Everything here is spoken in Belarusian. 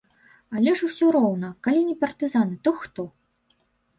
Але ж усё роўна, калі не партызаны, то хто?